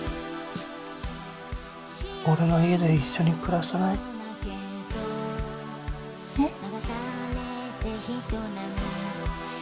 俺の家で一緒に暮らさない？えっ？